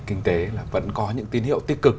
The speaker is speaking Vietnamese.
kinh tế là vẫn có những tín hiệu tích cực